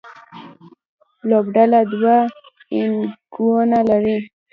لوبډله دوه انینګونه لري.